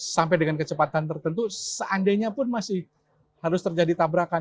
sampai dengan kecepatan tertentu seandainya pun masih harus terjadi tabrakan